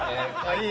いい！